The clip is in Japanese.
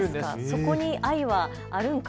そこに愛はあるんか？